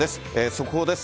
速報です。